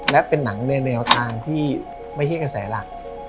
และเป็นหนังในแนวทางที่ไม่ใช่กระแสหลัก